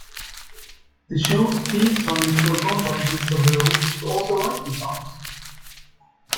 The show's theme song is performed by Jill Sobule, who also writes the songs.